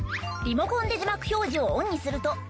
リモコンで字幕表示をオンにすると。